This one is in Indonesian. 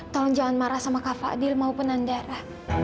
tolong jangan marah sama kak fadil maupun andara